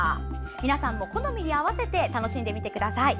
皆さんも好みに合わせて楽しんでみてください。